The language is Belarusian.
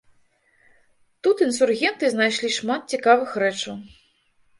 Тут інсургенты знайшлі шмат цікавых рэчаў.